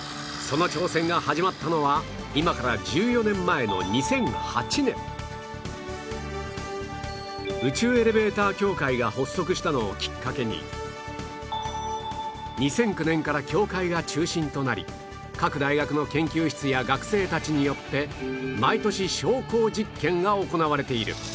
その挑戦が始まったのは今から１４年前の宇宙エレベーター協会が発足したのをきっかけに２００９年から協会が中心となり各大学の研究室や学生たちによって毎年昇降実験が行われている